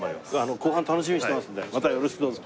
後半楽しみにしてますんでまたよろしくどうぞ。